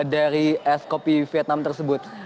dari es kopi vietnam tersebut